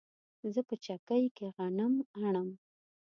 زه په چکۍ کې غنم اڼم